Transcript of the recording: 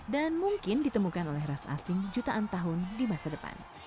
dan mungkin ditemukan oleh ras asing jutaan tahun di masa depan